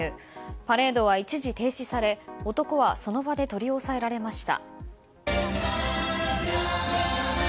パレードは一時停止され、男はその場で取り押さえられました。